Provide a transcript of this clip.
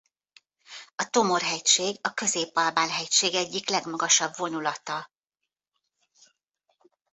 A Tomorr-hegység a Közép-Albán-hegység egyik legmagasabb vonulata.